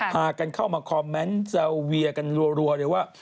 พากันเข้ามาคอมเมนต์แซวเวียกันรัวเลยว่า